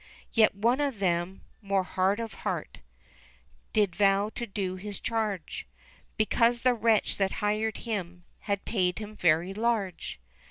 Yet one of them, more hard of heart, Did vow to do his charge, Because the wretch that hired him Had paid him very large.